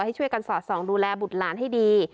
ให้ช่วยกันสอดส่องดูแลบุตรหลานให้ดี